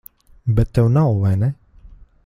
Bet tev nav, vai ne?